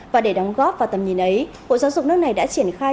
và để đóng góp vào tầm nhìn ấy bộ giáo dục nước này đã triển khai